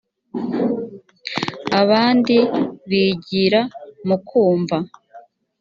abandi bigira mu kumva